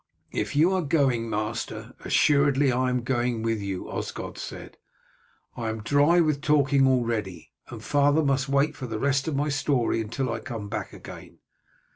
"If you are going, master, assuredly I am going with you," Osgod said. "I am dry with talking already, and father must wait for the rest of my story until I come back again.